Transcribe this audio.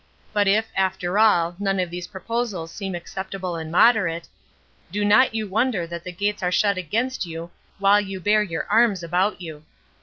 But if, after all, none of these proposals seem acceptable and moderate, do not you wonder that the gates are shut against you, while you bear your arms about you."